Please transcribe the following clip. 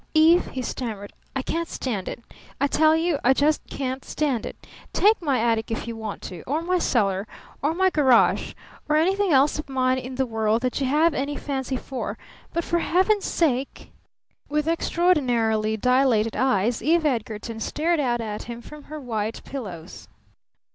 "Eve!" he stammered. "I can't stand it! I tell you I just can't stand it! Take my attic if you want to! Or my cellar! Or my garage! Or anything else of mine in the world that you have any fancy for! But for Heaven's sake " With extraordinarily dilated eyes Eve Edgarton stared out at him from her white pillows.